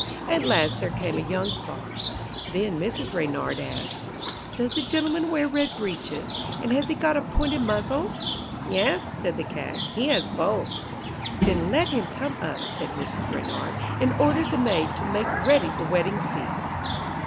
At last there came a young Fox. Then Mrs. Reynard asked: 'Does the gentleman wear red breeches, and has he got a pointed muzzle?' 'Yes,' said the Cat. 'He has both.' 'Then let him come up,' said Mrs. Reynard, and ordered the maid to make ready the wedding feast.